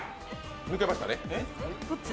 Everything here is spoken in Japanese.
抜けましたね。